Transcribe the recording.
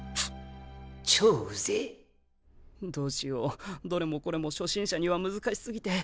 チョーうぜぇどうしようどれもこれも初心者には難しすぎて。